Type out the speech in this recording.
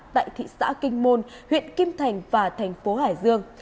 tại thị xã kinh môn huyện kim thành và thành phố hải dương